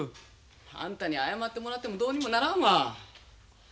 あんたに謝ってもらってもどうにもならんわ。